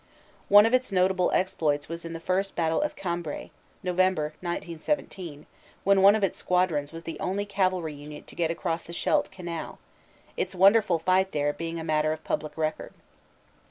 One of its notable exploits was in the First Battle of Cambrai, November, 1917, when one of its squadrons was the only cavalry unit to get across the Scheldt canal, its wonderful fight there being a matter of public record.